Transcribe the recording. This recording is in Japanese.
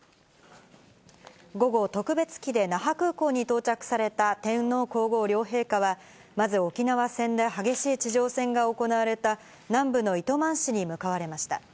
午後、特別機で那覇空港に到着された天皇皇后両陛下は、まず、沖縄戦で激しい地上戦が行われた、南部の糸満市に向かわれました。